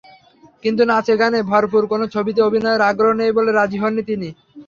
কিন্তু নাচে-গানে ভরপুর কোনো ছবিতে অভিনয়ের আগ্রহ নেই বলে রাজি হননি তিনি।